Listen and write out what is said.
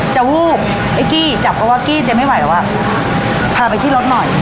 วูบไอ้กี้จับเพราะว่ากี้เจ๊ไม่ไหวแล้วอ่ะพาไปที่รถหน่อย